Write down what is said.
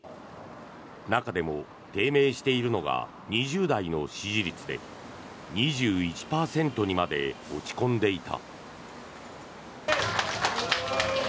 中でも低迷しているのが２０代の支持率で２１％にまで落ち込んでいた。